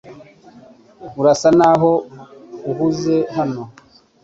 Urasa naho uhuze hano .